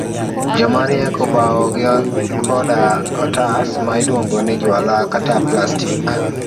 Jomariek obawo gi koda otas ma iluongo ni juala kata plastik.